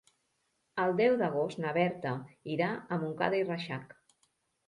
El deu d'agost na Berta irà a Montcada i Reixac.